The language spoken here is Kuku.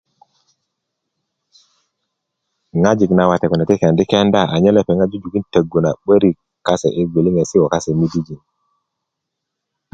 ŋwajik na wate kune ti kendi kenda anyen lepeŋat jujuki tögu na'börik kase i gwiliŋet ko kase i midijin